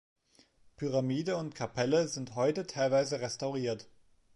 Pyramide und Kapelle sind heute teilweise restauriert.